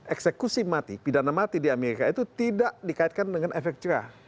eksekusi mati pidana mati di amerika itu tidak dikaitkan dengan efek cerah